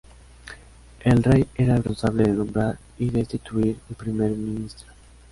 El rey era el responsable de nombrar y destituir al primer ministro.